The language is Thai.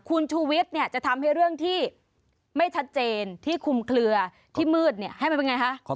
คุณชูวิทย์จะทำให้เรื่องที่ไม่ชัดเจนที่คุมเคลือที่มืดให้มันเป็นไงคะ